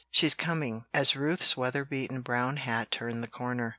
she's coming," as Ruth's weather beaten brown hat turned the corner.